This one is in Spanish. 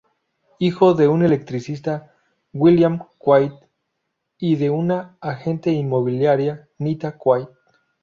Hijo de un electricista, William Quaid, y de una agente inmobiliaria, Nita Quaid.